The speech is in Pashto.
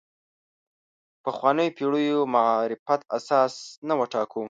پخوانیو پېړیو معرفت اساس نه وټاکو.